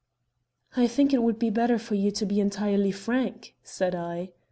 "I think it would be better for you to be entirely frank," said I.